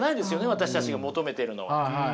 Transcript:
私たちが求めてるのは。